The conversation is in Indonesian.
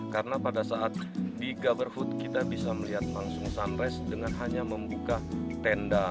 karena pada saat di gaberhut kita bisa melihat langsung sunrise dengan hanya membuka tenda